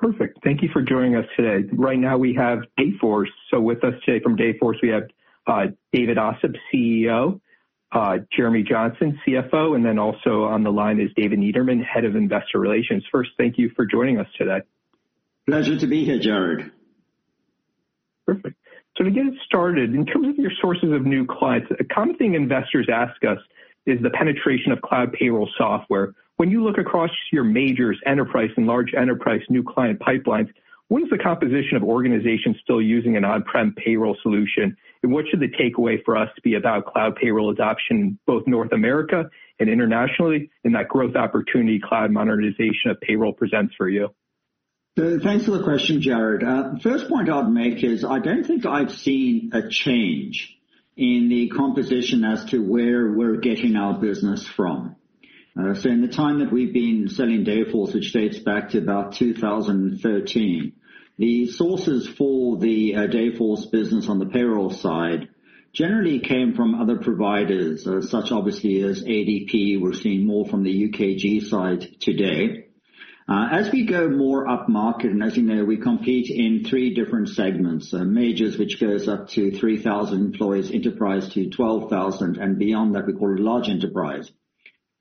Perfect. Thank you for joining us today. Right now we have Dayforce. So with us today from Dayforce, we have, David Ossip, CEO, Jeremy Johnson, CFO, and then also on the line is David Niederman, Head of Investor Relations. First, thank you for joining us today. Pleasure to be here, Jared. Perfect. So to get it started, in terms of your sources of new clients, a common thing investors ask us is the penetration of cloud payroll software. When you look across your majors, enterprise, and large enterprise new client pipelines, what is the composition of organizations still using an on-prem payroll solution? And what should the takeaway for us be about cloud payroll adoption, both North America and internationally, and that growth opportunity cloud monetization of payroll presents for you? Thanks for the question, Jared. First point I'd make is I don't think I've seen a change in the composition as to where we're getting our business from. So in the time that we've been selling Dayforce, which dates back to about two thousand and thirteen, the sources for the Dayforce business on the payroll side generally came from other providers, such obviously as ADP. We're seeing more from the UKG side today. As we go more upmarket, and as you know, we compete in three different segments, majors, which goes up to 3,000 employees, enterprise to 12,000, and beyond that, we call it large enterprise.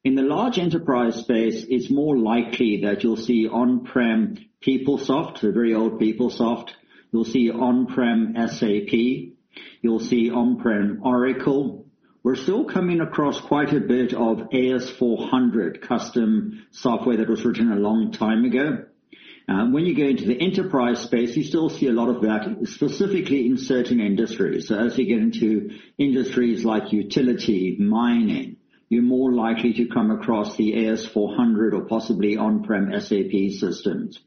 In the large enterprise space, it's more likely that you'll see on-prem PeopleSoft, the very old PeopleSoft. You'll see on-prem SAP. You'll see on-prem Oracle. We're still coming across quite a bit of AS/400 custom software that was written a long time ago. When you go into the enterprise space, you still see a lot of that, specifically in certain industries. So as you get into industries like utility, mining, you're more likely to come across the AS/400 or possibly on-prem SAP systems.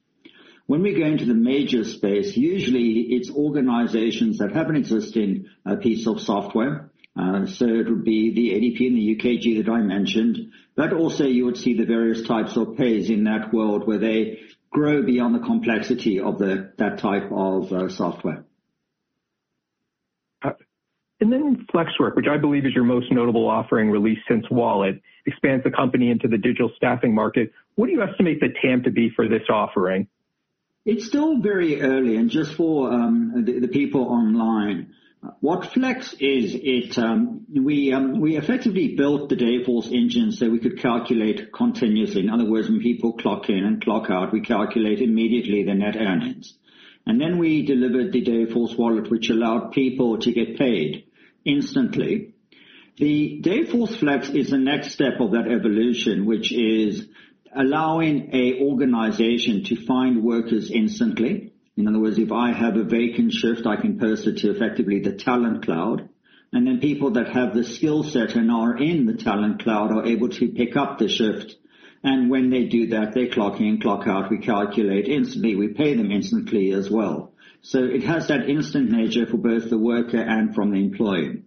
When we go into the major space, usually it's organizations that have an existing piece of software. So it would be the ADP and the UKG that I mentioned, but also you would see the various types of pays in that world, where they grow beyond the complexity of the, that type of, software. and then Flexwork, which I believe is your most notable offering released since Wallet, expands the company into the digital staffing market. What do you estimate the TAM to be for this offering? It's still very early, and just for the people online, what Flex is. We effectively built the Dayforce engine so we could calculate continuously. In other words, when people clock in and clock out, we calculate immediately the net earnings. And then we delivered the Dayforce Wallet, which allowed people to get paid instantly. The Dayforce Flex is the next step of that evolution, which is allowing a organization to find workers instantly. In other words, if I have a vacant shift, I can post it to effectively the talent cloud, and then people that have the skill set and are in the talent cloud are able to pick up the shift. And when they do that, they clock in, clock out, we calculate instantly. We pay them instantly as well. So it has that instant nature for both the worker and from the employee.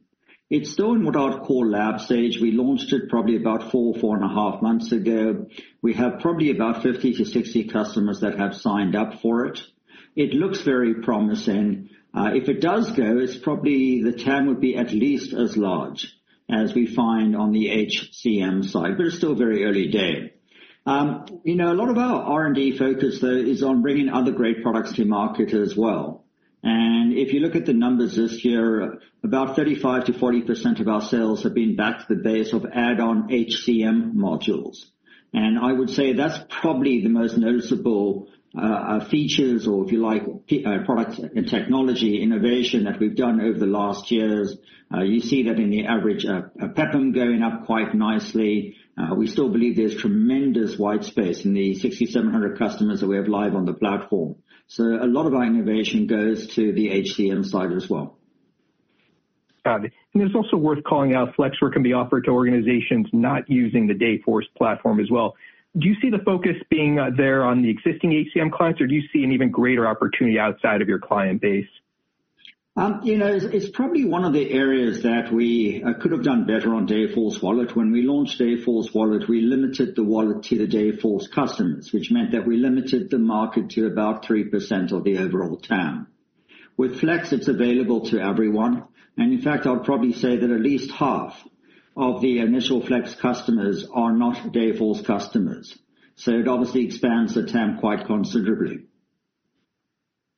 It's still in what I'd call lab stage. We launched it probably about four, four and a half months ago. We have probably about 50 to 60 customers that have signed up for it. It looks very promising. If it does go, it's probably the TAM would be at least as large as we find on the HCM side, but it's still very early day. You know, a lot of our R&D focus, though, is on bringing other great products to market as well. And if you look at the numbers this year, about 35%-40% of our sales have been back to the base of add-on HCM modules. And I would say that's probably the most noticeable features or, if you like, products and technology innovation that we've done over the last years. You see that in the average PEPM going up quite nicely. We still believe there's tremendous white space in the 6,700 customers that we have live on the platform. So a lot of our innovation goes to the HCM side as well. Got it. And it's also worth calling out, Flexwork can be offered to organizations not using the Dayforce platform as well. Do you see the focus being there on the existing HCM clients, or do you see an even greater opportunity outside of your client base? You know, it's probably one of the areas that we could have done better on Dayforce Wallet. When we launched Dayforce Wallet, we limited the wallet to the Dayforce customers, which meant that we limited the market to about 3% of the overall TAM. With Flex, it's available to everyone, and in fact, I'll probably say that at least half of the initial Flex customers are not Dayforce customers. So it obviously expands the TAM quite considerably.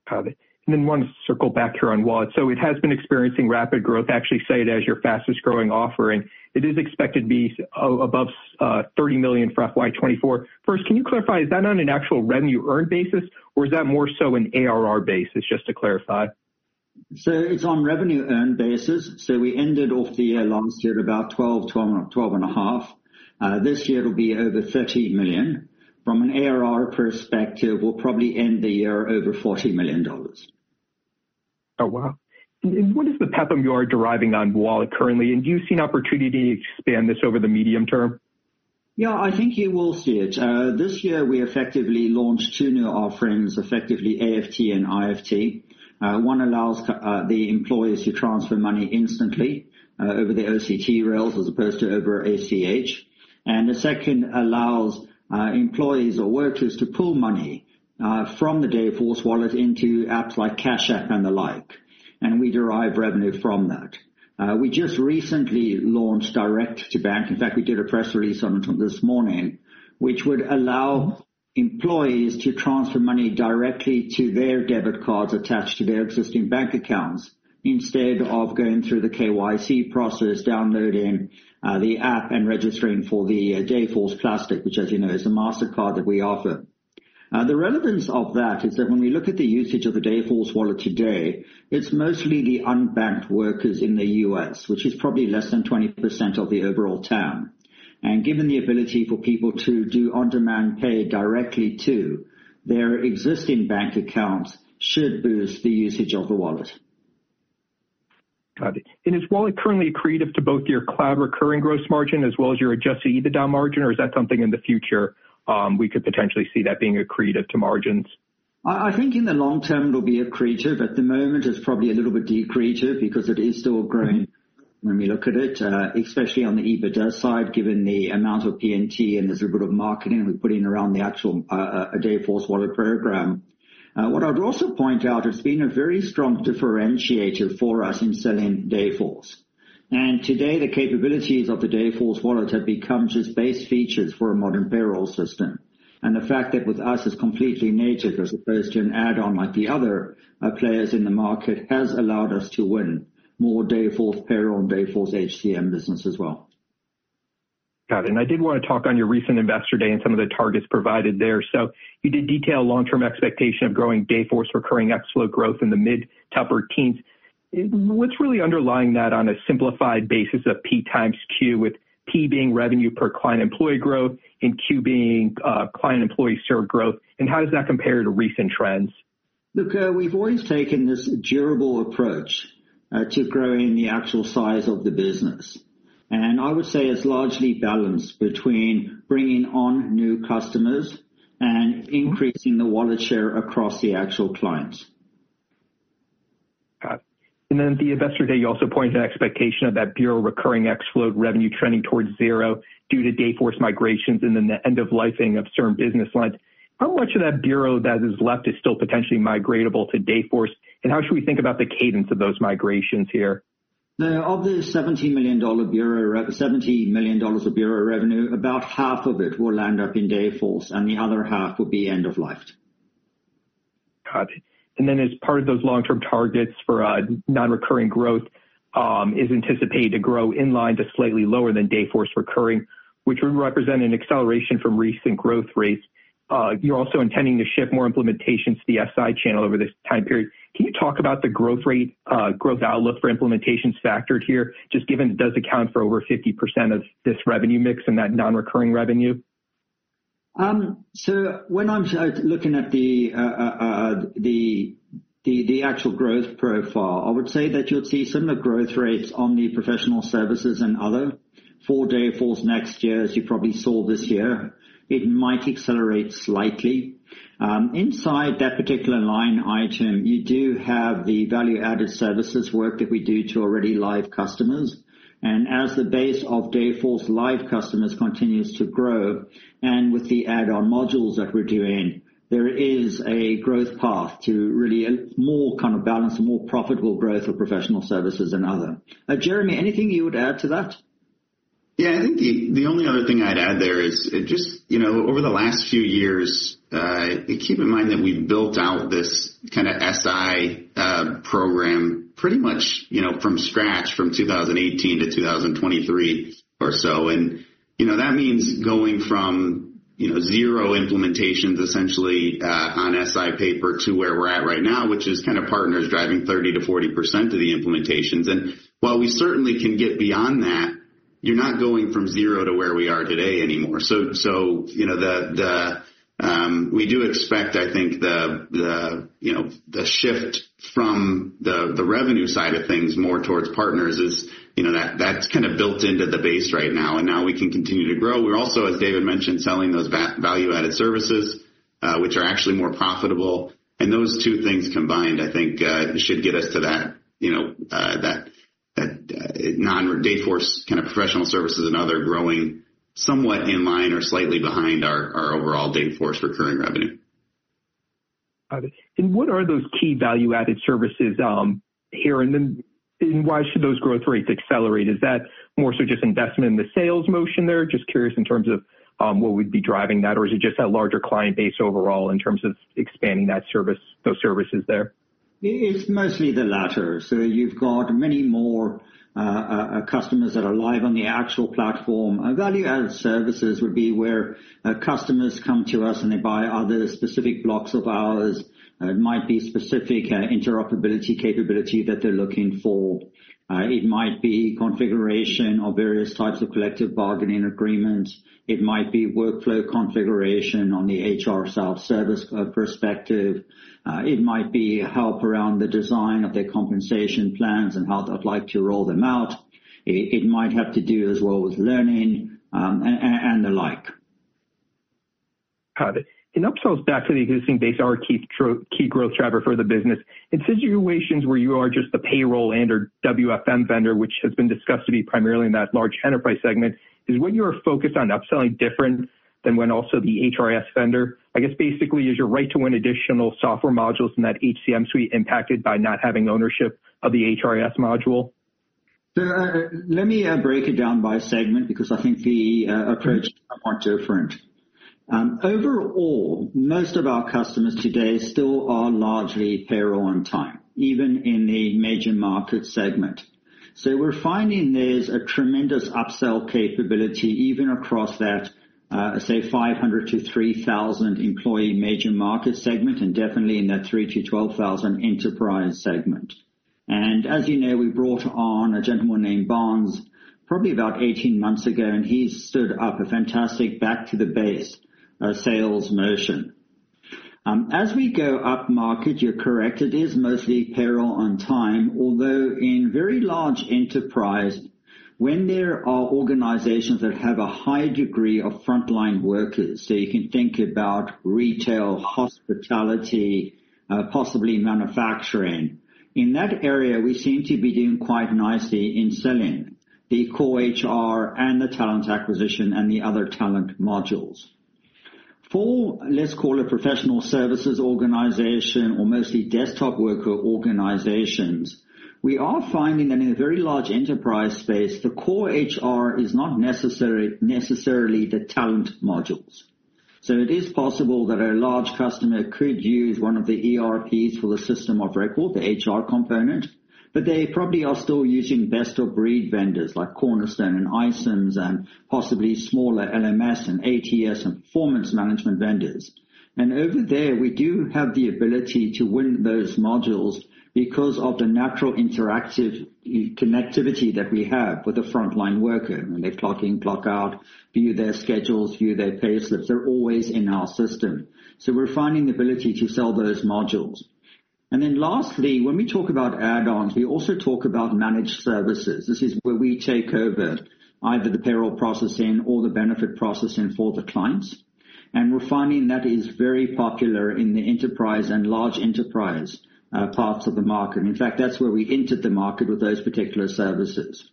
Got it. And then want to circle back here on Wallet. So it has been experiencing rapid growth, actually say it as your fastest growing offering. It is expected to be above $30 million for FY 2024. First, can you clarify? Is that on an actual revenue earned basis, or is that more so an ARR basis, just to clarify? It's on revenue earned basis. We ended off the year last year at about 12 to 12.5. This year it'll be over $13 million. From an ARR perspective, we'll probably end the year over $40 million. Oh, wow. And what is the PEPM you are deriving on Wallet currently? And do you see an opportunity to expand this over the medium term? Yeah, I think you will see it. This year, we effectively launched two new offerings, effectively AFT and IFT. One allows the employees to transfer money instantly over the OCT rails as opposed to over ACH. And the second allows employees or workers to pull money from the Dayforce Wallet into apps like Cash App and the like, and we derive revenue from that. We just recently launched direct to bank. In fact, we did a press release on it this morning, which would allow employees to transfer money directly to their debit cards attached to their existing bank accounts, instead of going through the KYC process, downloading the app, and registering for the Dayforce plastic, which, as you know, is a Mastercard that we offer. The relevance of that is that when we look at the usage of the Dayforce Wallet today, it's mostly the unbanked workers in the U.S., which is probably less than 20% of the overall TAM, and given the ability for people to do on-demand pay directly to their existing bank accounts, should boost the usage of the wallet. Got it. And is wallet currently accretive to both your cloud recurring gross margin as well as your adjusted EBITDA margin, or is that something in the future, we could potentially see that being accretive to margins? I think in the long term, it'll be accretive. At the moment, it's probably a little bit decreative because it is still growing when we look at it, especially on the EBITDA side, given the amount of P&T and there's a bit of marketing we're putting around the actual Dayforce Wallet program. What I'd also point out, it's been a very strong differentiator for us in selling Dayforce, and today, the capabilities of the Dayforce Wallet have become just base features for a modern payroll system, and the fact that with us, it's completely native as opposed to an add-on like the other players in the market has allowed us to win more Dayforce payroll and Dayforce HCM business as well. Got it. And I did want to talk on your recent Investor Day and some of the targets provided there. So you did detail long-term expectation of growing Dayforce recurring revenue growth in the mid-to-upper teens. What's really underlying that on a simplified basis of P times Q, with P being revenue per client employee growth and Q being client employee served growth, and how does that compare to recent trends? Look, we've always taken this durable approach to growing the actual size of the business, and I would say it's largely balanced between bringing on new customers and increasing the wallet share across the actual clients. Got it. And then at the Investor Day, you also pointed to the expectation of that Bureau recurring ex-float revenue trending towards zero due to Dayforce migrations and then the end-of-lifing of certain business lines. How much of that Bureau that is left is still potentially migratable to Dayforce, and how should we think about the cadence of those migrations here? Of the $70 million of Bureau Revenue, about half of it will land up in Dayforce, and the other half will be end-of-lifed. Got it. And then as part of those long-term targets for non-recurring growth is anticipated to grow in line to slightly lower than Dayforce recurring, which would represent an acceleration from recent growth rates. You're also intending to ship more implementations to the SI channel over this time period. Can you talk about the growth rate, growth outlook for implementations factored here, just given it does account for over 50% of this revenue mix and that non-recurring revenue? So when I'm looking at the actual growth profile, I would say that you'll see similar growth rates on the professional services and other for Dayforce next year, as you probably saw this year. It might accelerate slightly. Inside that particular line item, you do have the value-added services work that we do for already live customers. And as the base of Dayforce live customers continues to grow, and with the add-on modules that we're doing, there is a growth path to really a more kind of balanced, more profitable growth for professional services and other. Jeremy, anything you would add to that? Yeah, I think the only other thing I'd add there is just, you know, over the last few years, keep in mind that we built out this kind of SI program pretty much, you know, from scratch, from two thousand and eighteen to 2023 or so. And, you know, that means going from, you know, zero implementations essentially on SI paper to where we're at right now, which is kind of partners driving 30%-40% of the implementations. And while we certainly can get beyond that, you're not going from zero to where we are today anymore. So, you know, we do expect, I think, you know, the shift from the revenue side of things more towards partners is, you know, that's kind of built into the base right now, and now we can continue to grow. We're also, as David mentioned, selling those value-added services, which are actually more profitable. And those two things combined, I think, should get us to that, you know, that non-Dayforce kind of professional services and other growing somewhat in line or slightly behind our overall Dayforce recurring revenue. Got it. And what are those key value-added services here? And then, and why should those growth rates accelerate? Is that more so just investment in the sales motion there? Just curious in terms of what would be driving that, or is it just that larger client base overall in terms of expanding that service, those services there? It's mostly the latter. So you've got many more customers that are live on the actual platform. Our value-added services would be where customers come to us, and they buy other specific blocks of ours. It might be specific interoperability capability that they're looking for. It might be configuration of various types of collective bargaining agreements. It might be workflow configuration on the HR self-service perspective. It might be help around the design of their compensation plans and how they'd like to roll them out. It might have to do as well with learning, and the like. Got it. And upsells back to the existing base are a key growth driver for the business. In situations where you are just the payroll and/or WFM vendor, which has been discussed to be primarily in that large enterprise segment, is when you are focused on upselling different than when also the HRIS vendor? I guess, basically, is your right to win additional software modules in that HCM suite impacted by not having ownership of the HRIS module?... So let me break it down by segment, because I think the approaches are more different. Overall, most of our customers today still are largely payroll-only, even in the major market segment. So we're finding there's a tremendous upsell capability even across that, say, five hundred to three thousand employee major market segment, and definitely in that three to twelve thousand enterprise segment. And as you know, we brought on a gentleman named Barnes, probably about eighteen months ago, and he's stood up a fantastic back-to-the-basics sales motion. As we go up market, you're correct, it is mostly payroll-only. Although in very large enterprise, when there are organizations that have a high degree of frontline workers, so you can think about retail, hospitality, possibly manufacturing. In that area, we seem to be doing quite nicely in selling the core HR and the talent acquisition and the other talent modules. For, let's call it, professional services organization or mostly desktop worker organizations, we are finding that in a very large enterprise space, the core HR is not necessarily the talent modules. So it is possible that a large customer could use one of the ERPs for the system of record, the HR component, but they probably are still using best-of-breed vendors like Cornerstone and iCIMS and possibly smaller LMS and ATS and performance management vendors. And over there, we do have the ability to win those modules because of the natural interactive connectivity that we have with the frontline worker, when they clock in, clock out, view their schedules, view their payslips, they're always in our system. So we're finding the ability to sell those modules. And then lastly, when we talk about add-ons, we also talk about managed services. This is where we take over either the payroll processing or the benefit processing for the clients. And we're finding that is very popular in the enterprise and large enterprise parts of the market. In fact, that's where we entered the market with those particular services.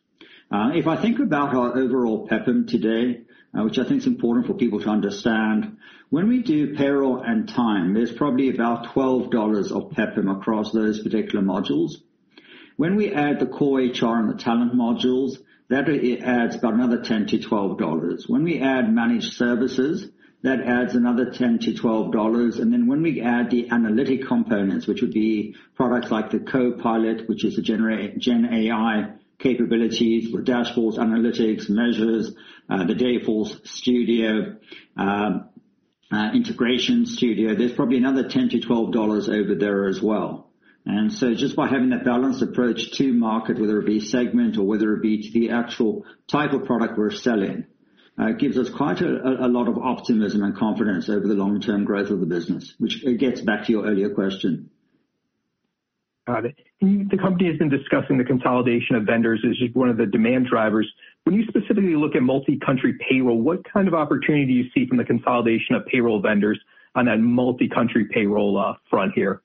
If I think about our overall PEPM today, which I think is important for people to understand, when we do payroll and time, there's probably about $12 of PEPM across those particular modules. When we add the core HR and the talent modules, that adds about another $10-$12. When we add managed services, that adds another $10-$12. And then when we add the analytic components, which would be products like the Copilot, which is GenAI capabilities for dashboards, analytics, measures, the Dayforce Studio, Integration Studio, there's probably another $10-$12 over there as well. And so just by having that balanced approach to market, whether it be segment or whether it be to the actual type of product we're selling, gives us quite a lot of optimism and confidence over the long-term growth of the business, which it gets back to your earlier question. Got it. The company has been discussing the consolidation of vendors as just one of the demand drivers. When you specifically look at multi-country payroll, what kind of opportunity do you see from the consolidation of payroll vendors on that multi-country payroll front here?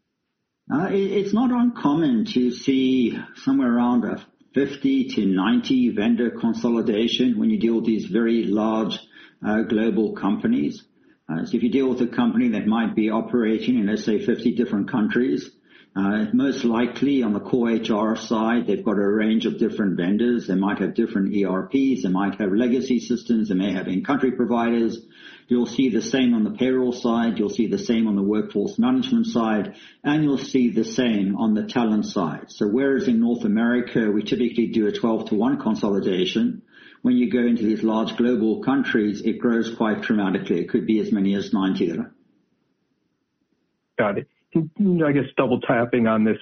It's not uncommon to see somewhere around fifty to ninety vendor consolidation when you deal with these very large global companies. So if you deal with a company that might be operating in, let's say, fifty different countries, most likely on the core HR side, they've got a range of different vendors. They might have different ERPs, they might have legacy systems, they may have in-country providers. You'll see the same on the payroll side, you'll see the same on the workforce management side, and you'll see the same on the talent side. So whereas in North America, we typically do a twelve to one consolidation, when you go into these large global countries, it grows quite dramatically. It could be as many as ninety there. Got it. I guess double-tapping on this,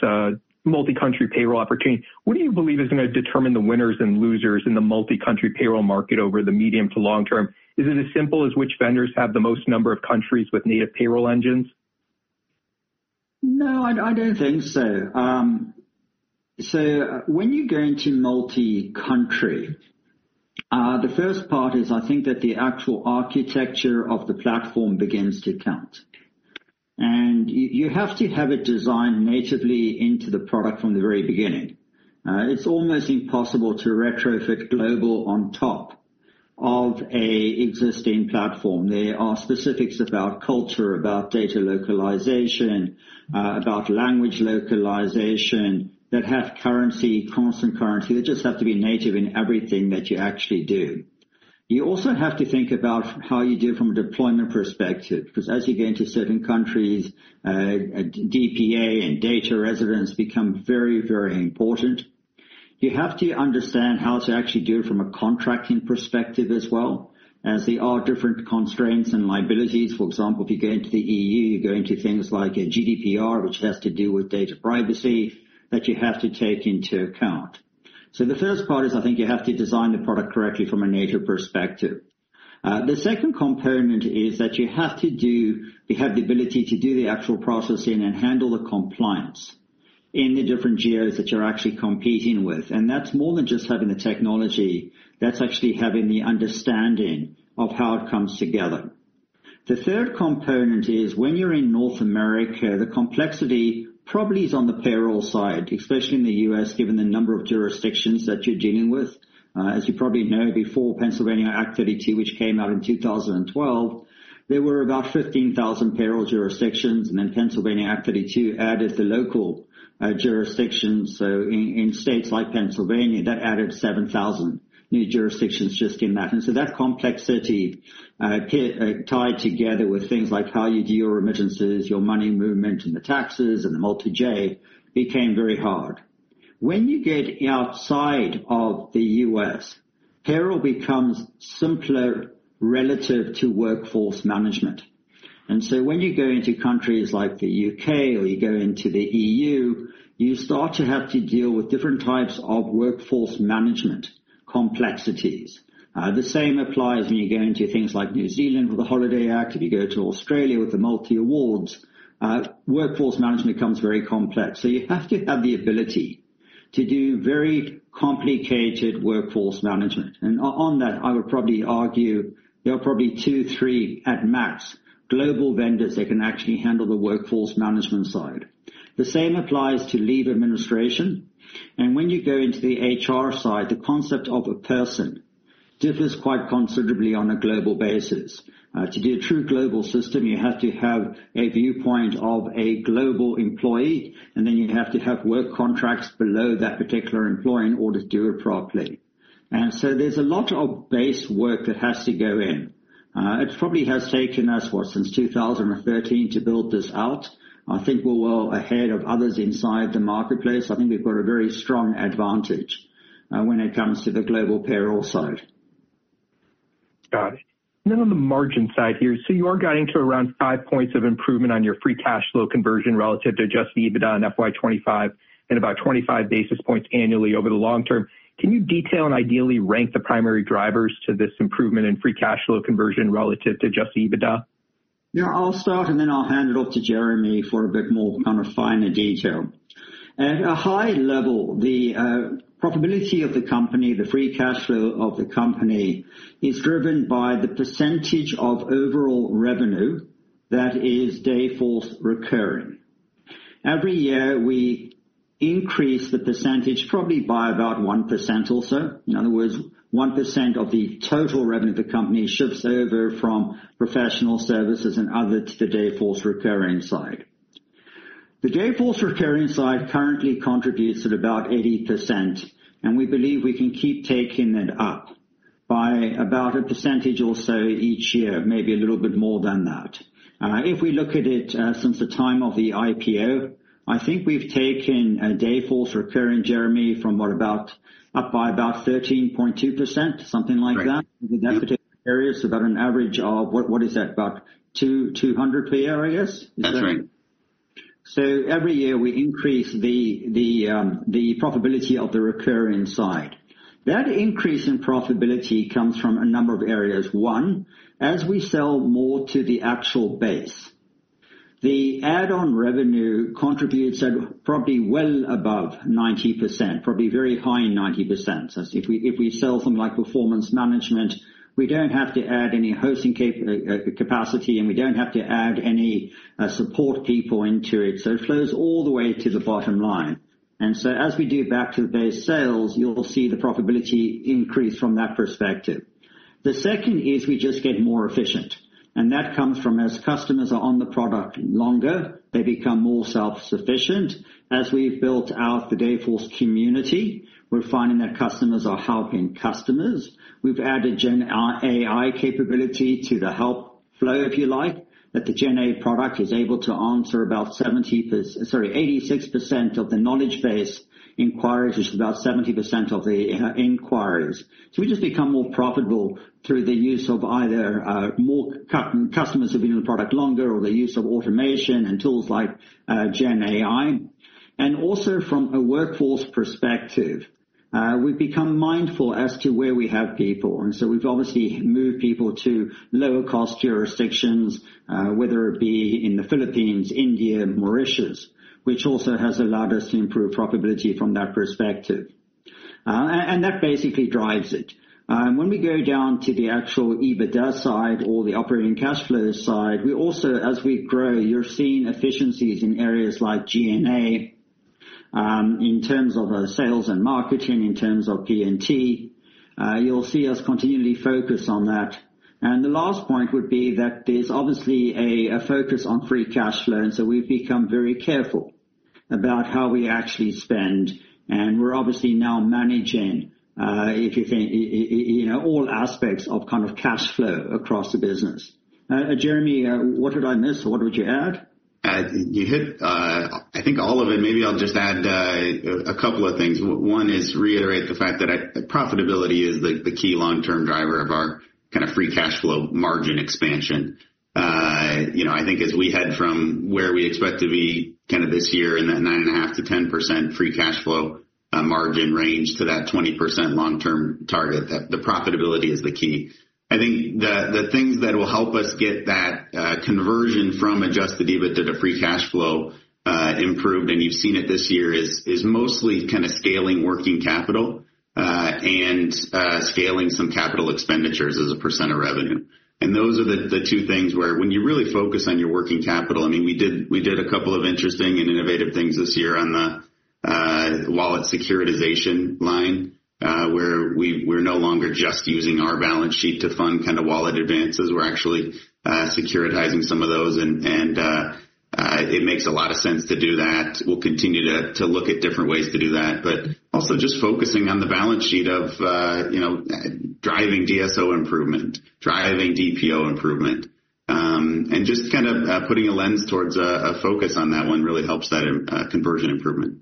multi-country payroll opportunity. What do you believe is going to determine the winners and losers in the multi-country payroll market over the medium to long term? Is it as simple as which vendors have the most number of countries with native payroll engines? No, I don't think so. So when you go into multi-country, the first part is, I think that the actual architecture of the platform begins to count. And you have to have it designed natively into the product from the very beginning. It's almost impossible to retrofit global on top of an existing platform. There are specifics about culture, about data localization, about language localization, that have currency, constant currency. They just have to be native in everything that you actually do. You also have to think about how you do it from a deployment perspective, because as you go into certain countries, DPA and data residency become very, very important. You have to understand how to actually do it from a contracting perspective as well, as there are different constraints and liabilities. For example, if you go into the EU, you go into things like a GDPR, which has to do with data privacy, that you have to take into account. So the first part is, I think you have to design the product correctly from a native perspective. The second component is that you have to do... You have the ability to do the actual processing and handle the compliance in the different geos that you're actually competing with. And that's more than just having the technology, that's actually having the understanding of how it comes together....The third component is when you're in North America, the complexity probably is on the payroll side, especially in the US, given the number of jurisdictions that you're dealing with. As you probably know, before Act 32, which came out in 2012, there were about 15 thousand payroll jurisdictions, and then Act 32 added the local jurisdictions. So in states like Pennsylvania, that added seven thousand new jurisdictions just in that. And so that complexity tied together with things like how you do your remittances, your money movement, and the taxes, and the multi-J, became very hard. When you get outside of the U.S., payroll becomes simpler relative to workforce management. And so when you go into countries like the U.K. or you go into the EU, you start to have to deal with different types of workforce management complexities. The same applies when you go into things like New Zealand with the Holiday Act, if you go to Australia with the multi-awards, workforce management becomes very complex. So you have to have the ability to do very complicated workforce management. And on that, I would probably argue there are probably two, three, at max, global vendors that can actually handle the workforce management side. The same applies to leave administration, and when you go into the HR side, the concept of a person differs quite considerably on a global basis. To do a true global system, you have to have a viewpoint of a global employee, and then you have to have work contracts below that particular employee in order to do it properly. And so there's a lot of base work that has to go in. It probably has taken us, what, since two thousand and thirteen to build this out. I think we're well ahead of others inside the marketplace. I think we've got a very strong advantage, when it comes to the global payroll side. Got it. Then on the margin side here, so you are guiding to around five points of improvement on your free cash flow conversion relative to adjusted EBITDA in FY2025 and about 25 basis points annually over the long term. Can you detail and ideally rank the primary drivers to this improvement in free cash flow conversion relative to just EBITDA? Yeah, I'll start, and then I'll hand it off to Jeremy for a bit more kind of finer detail. At a high level, the profitability of the company, the free cash flow of the company, is driven by the percentage of overall revenue that is Dayforce recurring. Every year, we increase the percentage, probably by about 1% or so. In other words, 1% of the total revenue of the company shifts over from professional services and other to the Dayforce recurring side. The Dayforce recurring side currently contributes at about 80%, and we believe we can keep taking it up by about a percentage or so each year, maybe a little bit more than that. If we look at it, since the time of the IPO, I think we've taken Dayforce recurring, Jeremy, from what about up by about 13.2%, something like that? Right. That particular area, so about an average of what, what is that? About two, 200 per year, I guess. That's right. Every year we increase the profitability of the recurring side. That increase in profitability comes from a number of areas. One, as we sell more to the actual base, the add-on revenue contributes at probably well above 90%, probably very high 90%. So if we sell something like performance management, we don't have to add any hosting capacity, and we don't have to add any support people into it, so it flows all the way to the bottom line. And so as we do back to the base sales, you'll see the profitability increase from that perspective. The second is we just get more efficient, and that comes from as customers are on the product longer, they become more self-sufficient. As we've built out the Dayforce community, we're finding that customers are helping customers. We've added GenAI capability to the help flow, if you like, that the GenAI product is able to answer about 70%... Sorry, 86% of the knowledge base inquiries, which is about 70% of the inquiries. So we just become more profitable through the use of either more customers have been in the product longer or the use of automation and tools like GenAI. And also from a workforce perspective, we've become mindful as to where we have people, and so we've obviously moved people to lower cost jurisdictions, whether it be in the Philippines, India, Mauritius, which also has allowed us to improve profitability from that perspective. And that basically drives it. When we go down to the actual EBITDA side or the operating cash flow side, we also, as we grow, you're seeing efficiencies in areas like G&A, in terms of sales and marketing, in terms of R&D. You'll see us continually focus on that. And the last point would be that there's obviously a focus on free cash flow, and so we've become very careful about how we actually spend, and we're obviously now managing, if you think, you know, all aspects of kind of cash flow across the business. Jeremy, what did I miss, or what would you add? You hit, I think all of it. Maybe I'll just add a couple of things. One is to reiterate the fact that profitability is the key long-term driver of our kind of free cash flow margin expansion. You know, I think as we head from where we expect to be kind of this year, in that 9.5%-10% free cash flow margin range to that 20% long-term target, that the profitability is the key. I think the things that will help us get that conversion from adjusted EBITDA to free cash flow improved, and you've seen it this year, is mostly kind of scaling working capital, and scaling some capital expenditures as a percent of revenue. And those are the two things where when you really focus on your working capital. I mean, we did a couple of interesting and innovative things this year on the wallet securitization line, where we're no longer just using our balance sheet to fund kind of wallet advances. We're actually securitizing some of those, and it makes a lot of sense to do that. We'll continue to look at different ways to do that, but also just focusing on the balance sheet of, you know, driving DSO improvement, driving DPO improvement, and just kind of putting a lens towards a focus on that one really helps that conversion improvement.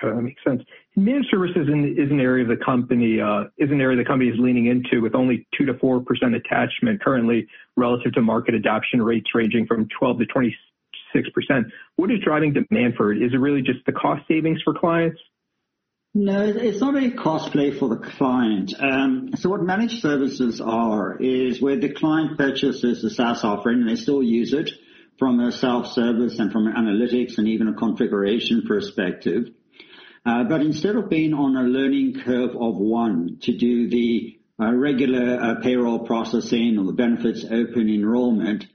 Got it. Makes sense. Managed services is an area the company is leaning into with only 2-4% attachment currently, relative to market adoption rates ranging from 12-26%. What is driving demand for it? Is it really just the cost savings for clients? No, it's not a cost play for the client. What managed services are, is where the client purchases the SaaS offering, and they still use it from a self-service and from an analytics and even a configuration perspective, but instead of being on a learning curve on their own to do the regular payroll processing or the benefits open enrollment,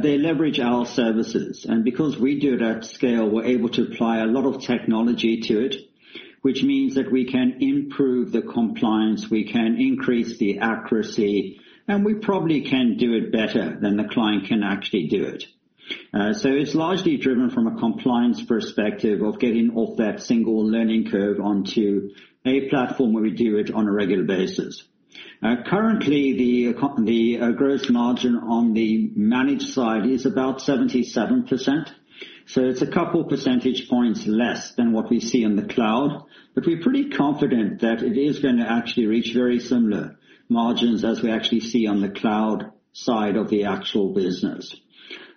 they leverage our services, and because we do it at scale, we're able to apply a lot of technology to it, which means that we can improve the compliance, we can increase the accuracy, and we probably can do it better than the client can actually do it, so it's largely driven from a compliance perspective of getting off that single learning curve onto a platform where we do it on a regular basis. Currently, the gross margin on the managed side is about 77%, so it's a couple percentage points less than what we see in the cloud, but we're pretty confident that it is going to actually reach very similar margins as we actually see on the cloud side of the actual business.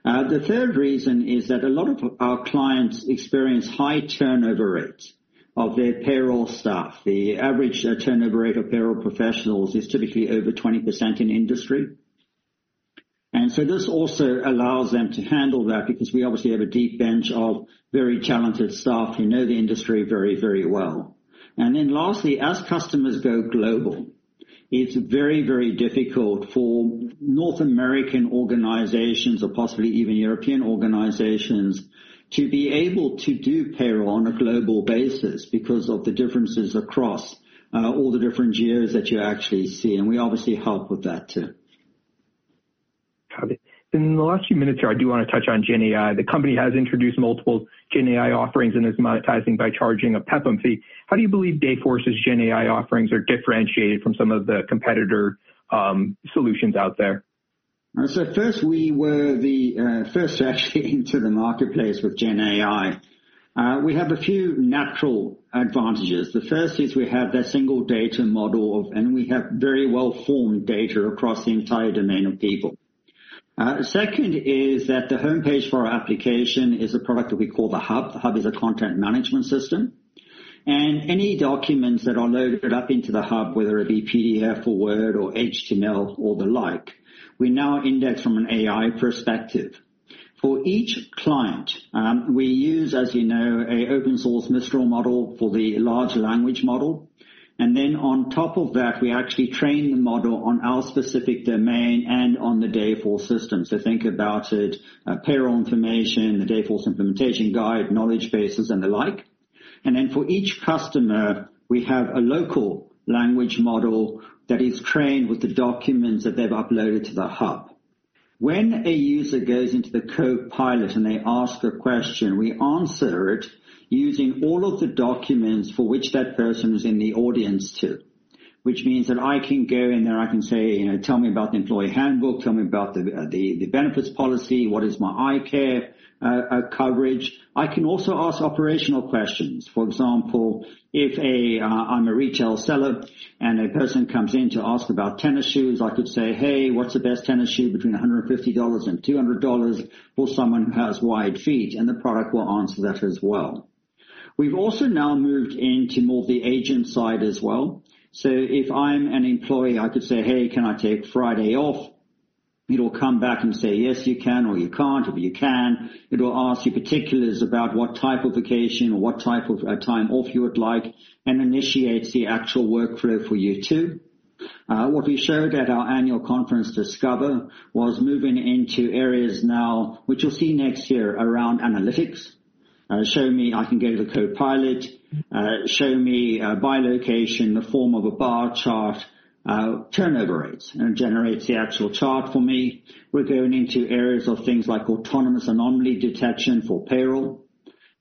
The third reason is that a lot of our clients experience high turnover rates of their payroll staff. The average turnover rate of payroll professionals is typically over 20% in industry, and so this also allows them to handle that because we obviously have a deep bench of very talented staff who know the industry very, very well. And then lastly, as customers go global, it's very, very difficult for North American organizations or possibly even European organizations, to be able to do payroll on a global basis because of the differences across all the different years that you actually see, and we obviously help with that, too. Got it. In the last few minutes here, I do want to touch on GenAI. The company has introduced multiple GenAI offerings and is monetizing by charging a PEPM fee. How do you believe Dayforce's GenAI offerings are differentiated from some of the competitor solutions out there? First, we were actually the first into the marketplace with GenAI. We have a few natural advantages. The first is we have the single data model, and we have very well-formed data across the entire domain of people. Second is that the homepage for our application is a product that we call the Hub. The Hub is a content management system, and any documents that are loaded up into the Hub, whether it be PDF or Word or HTML or the like, we now index from an AI perspective. For each client, we use, as you know, an open source Mistral model for the large language model, and then on top of that, we actually train the model on our specific domain and on the Dayforce system. Think about it: payroll information, the Dayforce implementation guide, knowledge bases, and the like. Then for each customer, we have a local language model that is trained with the documents that they've uploaded to the Hub. When a user goes into the Copilot and they ask a question, we answer it using all of the documents for which that person is in the audience to. Which means that I can go in there, I can say, "You know, tell me about the employee handbook, tell me about the benefits policy. What is my eye care coverage?" I can also ask operational questions. For example, if I'm a retail seller and a person comes in to ask about tennis shoes, I could say, "Hey, what's the best tennis shoe between $150 and $200 for someone who has wide feet?" And the product will answer that as well. We've also now moved into more the agent side as well, so if I'm an employee, I could say, "Hey, can I take Friday off?" It'll come back and say, "Yes, you can," or, "You can't," or, "You can." It will ask you particulars about what type of vacation or what type of time off you would like and initiates the actual workflow for you, too. What we showed at our annual conference, Discover, was moving into areas now, which you'll see next year around analytics. I can go to the Copilot, "show me by location, the form of a bar chart, turnover rates," and it generates the actual chart for me. We're going into areas of things like autonomous anomaly detection for payroll,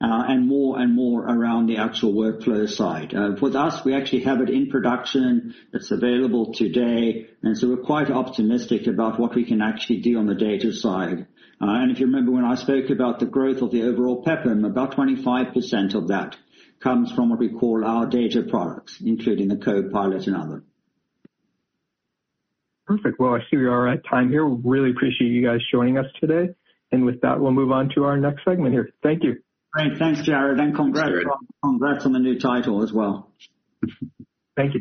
and more and more around the actual workflow side. With us, we actually have it in production. It's available today, and so we're quite optimistic about what we can actually do on the data side, and if you remember, when I spoke about the growth of the overall PEPM, about 25% of that comes from what we call our data products, including the Copilot and other. Perfect. Well, I see we are out of time here. Really appreciate you guys joining us today. And with that, we'll move on to our next segment here. Thank you. Great. Thanks, Jared, and congrats, congrats on the new title as well. Thank you.